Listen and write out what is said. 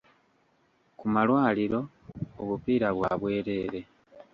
Ku malwaliro, obupiira bwa bwereere.